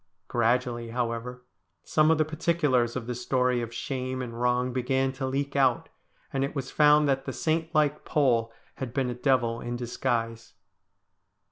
Gradually, however, some of the particulars of the story of shame and wrong began to leak out, and it was found that the saint like Pole had been a devil in disguise.